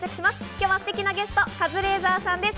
今日はすてきなゲスト、カズレーザーさんです。